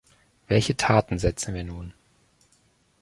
Welche Taten setzen wir nun?